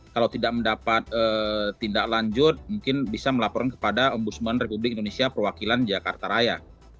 kalau tidak mendapat tindak lanjut mungkin bisa melaporkan kepada ombudsman republik indonesia perwakilan jakarta raya